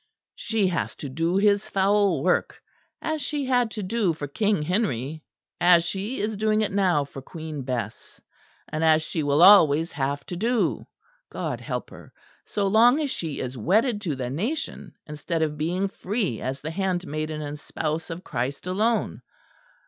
She has to do his foul work; as she had to do for King Henry, as she is doing it now for Queen Bess; and as she will always have to do, God help her, so long as she is wedded to the nation, instead of being free as the handmaiden and spouse of Christ alone.